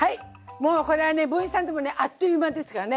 もうこれはね文枝さんでもねあっという間ですからね。